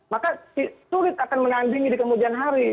maka sulit akan menandingi di kemudian hari